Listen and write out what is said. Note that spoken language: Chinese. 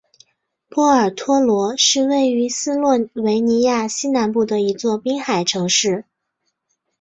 波尔托罗是位于斯洛维尼亚西南部的一座滨海城市。